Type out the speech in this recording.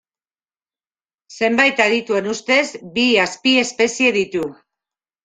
Zenbait adituen ustez bi azpiespezie ditu.